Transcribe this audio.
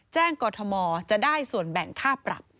กรทมจะได้ส่วนแบ่งค่าปรับ